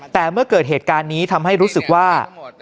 แต่เมื่อเกิดเหตุการณ์นี้ทำให้รู้สึกว่า